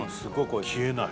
消えない。